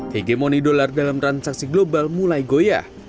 hegemoni dolar dalam transaksi global mulai goyah